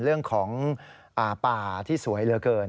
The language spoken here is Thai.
เรื่องของป่าที่สวยเหลือเกิน